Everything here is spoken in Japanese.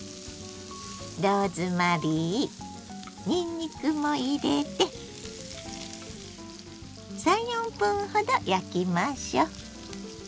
ローズマリーにんにくも入れて３４分ほど焼きましょう。